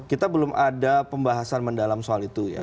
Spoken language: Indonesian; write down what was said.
kita belum ada pembahasan mendalam soal itu ya